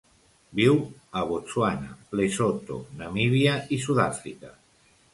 Viu a Botswana, Lesotho, Namíbia i Sud-àfrica.